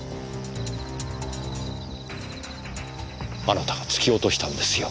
あなたが突き落としたんですよ。